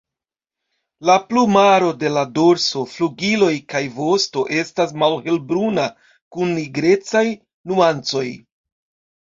La plumaro de la dorso, flugiloj kaj vosto estas malhelbruna kun nigrecaj nuancoj.